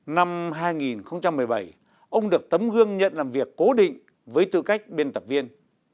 năm hai nghìn một mươi bảy ông được tấm gương nhận làm việc cố định với tư cách biên tập viên